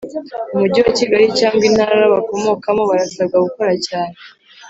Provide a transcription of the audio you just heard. Umujyi wa Kigali cyangwa Intara bakomokamo barasabwa gukora cyane